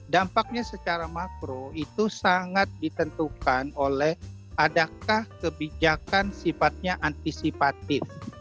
dampaknya secara makro itu sangat ditentukan oleh adakah kebijakan sifatnya antisipatif